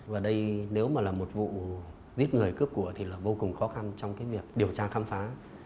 và đây nếu mà là một vụ giết người cướp của thì là vô cùng khó khăn trong cái việc điều tra khám phá